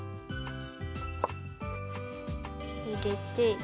いれて。